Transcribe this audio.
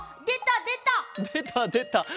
でたでた。